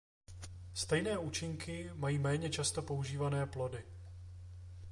Stejné účinky mají méně často používané plody.